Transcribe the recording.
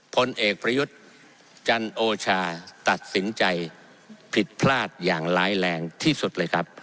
ผลเอกประยุทธ์จันโอชาตัดสินใจผิดพลาดอย่างร้ายแรงที่สุดเลยครับ